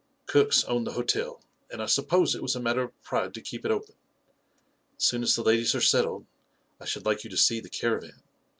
Cook's own the hotel, and I suppose it was a matter of pride to keep it open. As soon as the ladies are settled, I should like you to see the caravan.